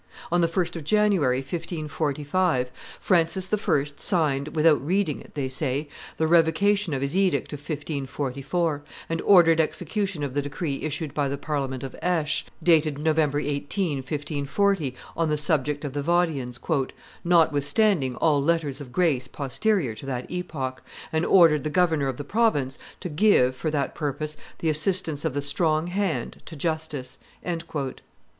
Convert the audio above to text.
On the 1st of January, 1545, Francis I. signed, without reading it they say, the revocation of his edict of 1544, and ordered execution of the decree issued by the Parliament of Aix, dated November 18, 1540, on the subject of the Vaudians, "notwithstanding all letters of grace posterior to that epoch, and ordered the governor of the province to give, for that purpose, the assistance of the strong hand to justice."